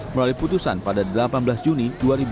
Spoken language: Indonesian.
melalui putusan pada delapan belas juni dua ribu dua puluh